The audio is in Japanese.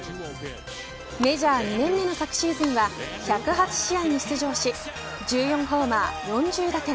メジャー２年目の昨シーズンは１０８試合に出場し１４ホーマー４０打点。